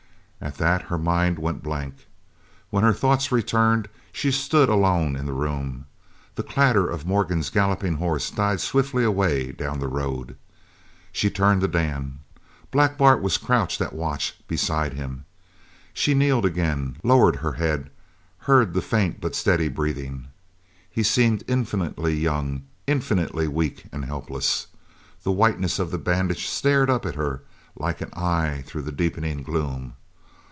At that, her mind went blank. When her thoughts returned she stood alone in the room. The clatter of Morgan's galloping horse died swiftly away down the road. She turned to Dan. Black Bart was crouched at watch beside him. She kneeled again lowered her head heard the faint but steady breathing. He seemed infinitely young infinitely weak and helpless. The whiteness of the bandage stared up at her like an eye through the deepening gloom.